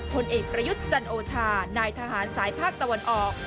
ผลเอกประยุทธ์จันโอชานายทหารสายภาคตะวันออก